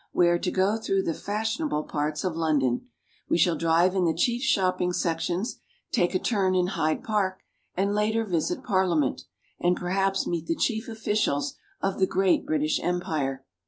We are to go through the fashionable parts of London. We shall drive in the chief shopping sections, take a turn in Hyde Park, and later visit Parliament, and perhaps meet the chief officials of the great British Empire.